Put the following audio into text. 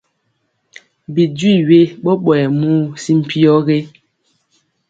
Bi jwi we ɓɔɓɔyɛ muu si mpyɔ gé?